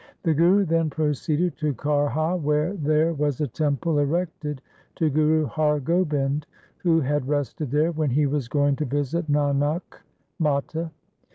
The Guru then proceeded to Karha where there was a temple erected to Guru Har Gobind, who had rested there when he was going to visit Nanakmata.